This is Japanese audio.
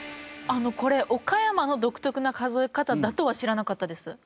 あのこれ岡山の独特な数え方だとは知らなかったです。